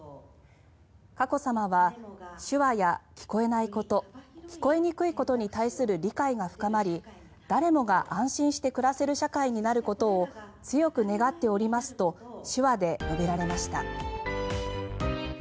佳子さまは手話や聞こえないこと聞こえにくいことに対する理解が深まり誰もが安心して暮らせる社会になることを強く願っておりますとじゃあ行くね！